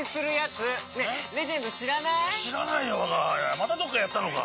またどっかやったのか？